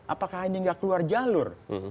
apakah ini nggak keluar jalur